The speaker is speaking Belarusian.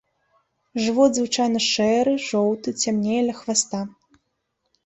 Жывот звычайна шэры, жоўты, цямнее ля хваста.